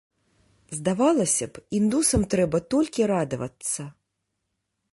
Здавалася б, індусам трэба толькі радавацца.